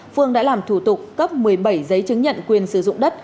phương đã làm thủ tục cấp một mươi bảy giấy chứng nhận quyền sử dụng đất